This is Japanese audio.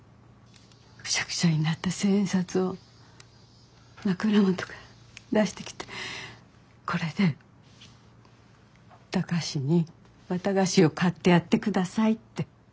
くしゃくしゃになった千円札を枕元から出してきて「これで高志に綿菓子を買ってやってください」って。